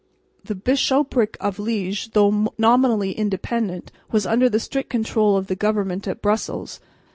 The bishopric of Liège, though nominally independent, was under the strict control of the government at Brussels.